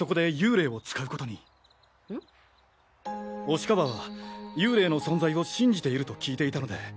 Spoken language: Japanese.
押川は幽霊の存在を信じていると聞いていたので。